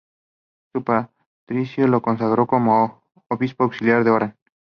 San Patricio lo consagró como obispo auxiliar de Orán.